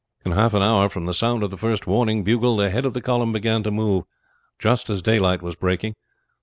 In half an hour from the sound of the first warning bugle the head of the column began to move, just as daylight was breaking.